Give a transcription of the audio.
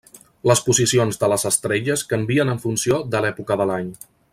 Les posicions de les estrelles canvien en funció de l'època de l'any.